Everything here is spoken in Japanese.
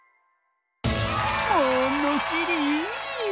ものしり！